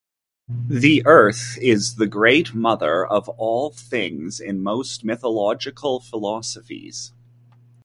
The earth is the great mother of all things in most mythological philosophies.